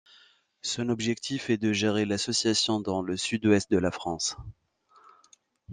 Son objectif est de gérer l'association dans le Sud-Ouest de la France.